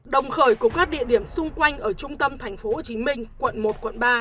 đồng khởi cùng các địa điểm xung quanh ở trung tâm tp hcm quận một quận ba